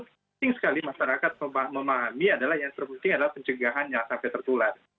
penting sekali masyarakat memahami adalah yang terpenting adalah pencegahan jangan sampai tertular